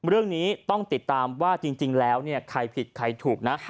เรื่องนี้ต้องติดตามว่าจริงแล้วใครผิดใครถูกนะ